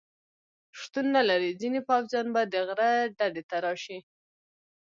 شتون نه لري، ځینې پوځیان به د غره ډډې ته راشي.